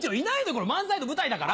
これ漫才の舞台だから。